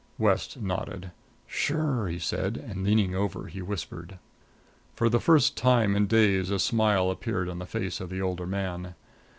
West nodded. "Sure!" he said; and, leaning over, he whispered. For the first time in days a smile appeared on the face of the older man.